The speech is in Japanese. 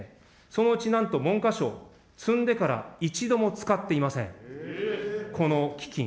そのうちなんと文科省、積んでから一度も使っていません、この基金。